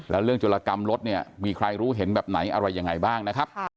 แล้วเรื่องจุลกรรมรถเนี่ยมีใครรู้เห็นแบบไหนอะไรยังไงบ้างนะครับ